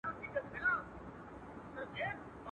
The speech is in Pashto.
چي د رقیب له سترګو لیري دي تنها ووینم..